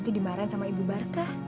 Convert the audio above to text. dimarahin sama ibu barka